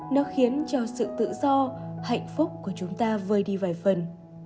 nó khiến cho sự tự do hạnh phúc của chúng ta vơi đi vài phần